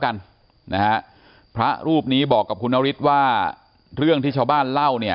กันนะฮะพระรูปนี้บอกกับคุณนฤทธิ์ว่าเรื่องที่ชาวบ้านเล่าเนี่ย